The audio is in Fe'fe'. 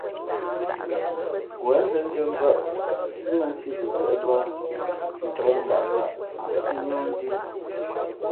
Wen nzᾱndʉ̄ᾱ mbα̌ʼ, nsíʼ mᾱ nsǐ pəpēʼ bᾱ, ncǎk ngaʼkaʼ ǎ sᾱʼ níάh ndʉ̄ᾱ.